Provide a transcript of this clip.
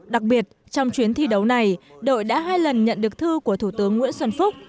đặc biệt trong chuyến thi đấu này đội đã hai lần nhận được thư của thủ tướng nguyễn xuân phúc